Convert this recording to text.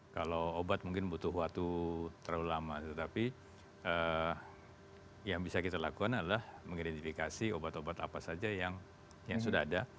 kalau obat mungkin butuh waktu terlalu lama tetapi yang bisa kita lakukan adalah mengidentifikasi obat obat apa saja yang sudah ada